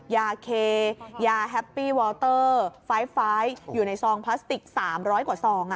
ยาเคยาแฮปปี้วอลเตอร์ไฟฟ้ายอยู่ในซองพลาสติกสามร้อยกว่าซองอ่ะ